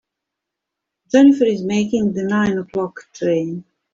Jennifer is making the nine o'clock train.